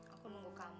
aku nunggu kamu